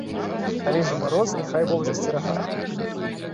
Але ж і мароз, няхай бог засцерагае!